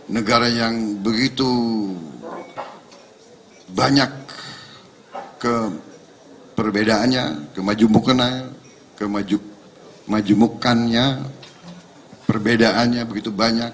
negara yang begitu banyak keperbedaannya kemajumukannya perbedaannya begitu banyak